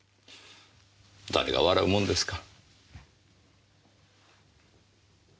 誰が笑うもんですか。